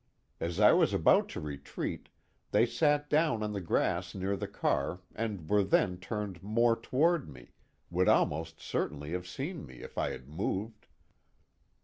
As I was about to retreat, they sat down on the grass near the car and were then turned more toward me, would almost certainly have seen me if I had moved.